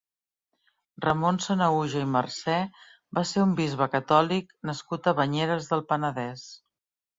Ramon Sanahuja i Marcé va ser un bisbe catòlic nascut a Banyeres del Penedès.